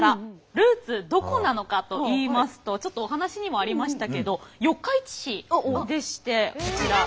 ルーツどこなのかといいますとちょっとお話にもありましたけど四日市市でしてこちら。